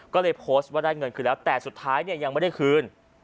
ก็เลยโพสต์ว่าได้เงินคืนแล้วแต่สุดท้ายเนี่ยยังไม่ได้คืน